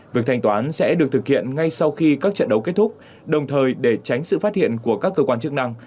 việc thanh toán sẽ được thực hiện ngay sau khi các trận đấu kết thúc đồng thời để tránh sự phát hiện của các cơ quan chức năng